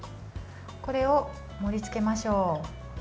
これを盛りつけましょう。